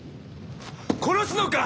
殺すのか！